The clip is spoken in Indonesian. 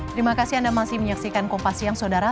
terima kasih anda masih menyaksikan kompas siang saudara